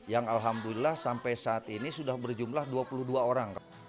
yang alhamdulillah sampai saat ini sudah berjumlah dua puluh dua orang